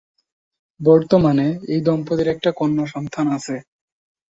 বর্তমানে, এই দম্পতির একটা কন্যা সন্তান আছে।